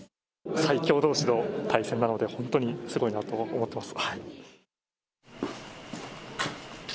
最強どうしの対戦なので、本当にすごいなと思っています。